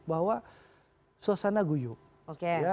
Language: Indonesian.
bahwa suasana guyuk